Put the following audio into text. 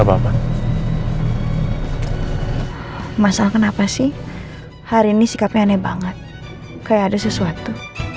masalah kenapa sih hari ini sikapnya aneh banget kayak ada sesuatu